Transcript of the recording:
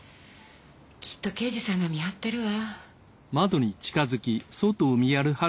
きっと刑事さんが見張ってるわ。